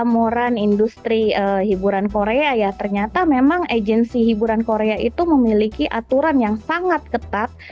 kalau kita lihat gambaran industri hiburan korea ya ternyata memang agensi hiburan korea itu memiliki aturan yang sangat ketat